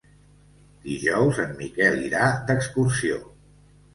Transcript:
Dijous en Miquel irà d'excursió.